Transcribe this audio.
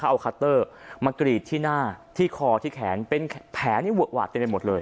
เอาคัตเตอร์มากรีดที่หน้าที่คอที่แขนเป็นแผลนี่เวอะหวาดเต็มไปหมดเลย